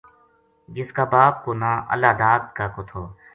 جس کا باپ کو نا اللہ داد کاکو تھو